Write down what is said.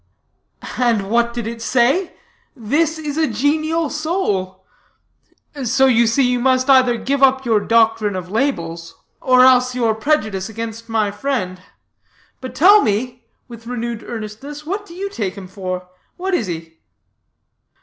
"And what did it say? 'This is a genial soul,' So you see you must either give up your doctrine of labels, or else your prejudice against my friend. But tell me," with renewed earnestness, "what do you take him for? What is he?"